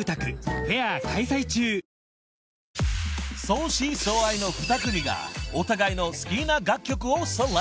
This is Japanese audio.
［相思相愛の２組がお互いの好きな楽曲をセレクト］